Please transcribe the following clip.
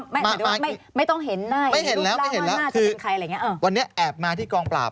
หมายถึงว่าไม่ต้องเห็นหน้าไม่เห็นแล้วไม่เห็นแล้วคือวันนี้แอบมาที่กองปราบ